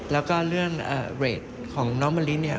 และเรื่องเวทของน้องมะลิ